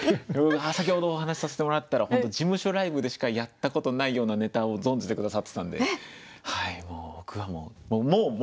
先ほどお話しさせてもらったら本当事務所ライブでしかやったことないようなネタを存じて下さってたので僕はもうおなかいっぱいです。